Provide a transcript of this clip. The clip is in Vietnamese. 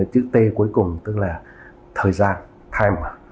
chữ t cuối cùng tức là thời gian time